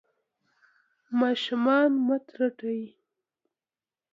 ماشومان مه ترټئ.